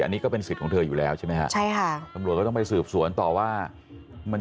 อันนี้ก็เป็นสิทธิ์ของเธออยู่แล้วใช่ไหมครับ